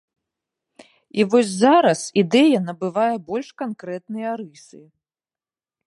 І вось зараз ідэя набывае больш канкрэтныя рысы.